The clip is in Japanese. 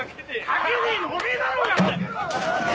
書けねえのお前だろうが。